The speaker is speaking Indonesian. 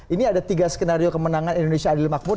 ini ada tiga skenario kemenangan indonesia adil makmur